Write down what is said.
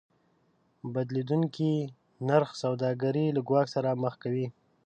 د بدلیدونکي نرخ سوداګر له ګواښ سره مخ کوي.